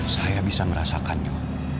saya bisa merasakannya